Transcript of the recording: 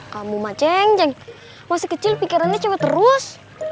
kamu mah ceng ceng masih kecil pikirannya cewek terus